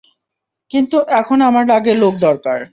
কিন্তু, এখন আমার আগে লোক দরকার।